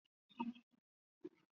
二站天主堂在二站村北。